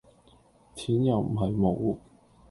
錢又唔係無